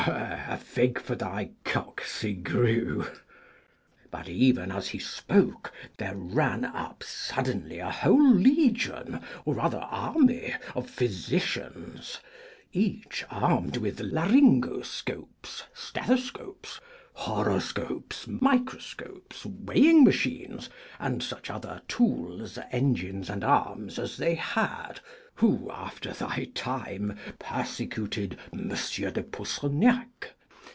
A fig for thy Coqcigrues!' But even as he spoke there ran up suddenly a whole legion, or rather army, of physicians, each armed with laryngoscopes, stethoscopes, horoscopes, microscopes, weighing machines, and such other tools, engines, and arms as they had who, after thy time, persecuted Monsieur de Pourceaugnac!